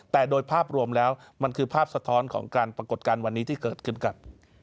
แต่โดยภาพรวมแล้วมันคือภาพสะท้อนของการปรากฏการณ์วันนี้ที่เกิดขึ้นกับ